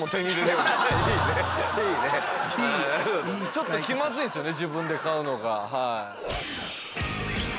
ちょっと気まずいんですよね